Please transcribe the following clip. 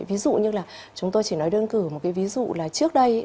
ví dụ như là chúng tôi chỉ nói đơn cử một cái ví dụ là trước đây